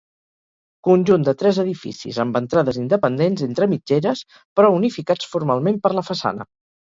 Conjunt de tres edificis amb entrades independents entre mitgeres però unificats formalment per la façana.